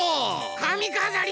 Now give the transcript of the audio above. かみかざり！